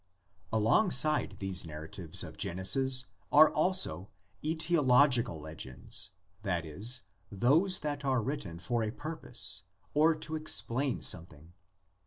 Alongside these narratives of Genesis are also "aetiological" legends, that is, those that are writ ten for a purpose, or to explain something.